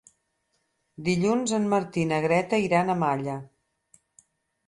Dilluns en Martí i na Greta iran a Malla.